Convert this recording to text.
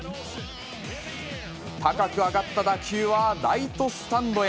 高く上がった打球はライトスタンドへ。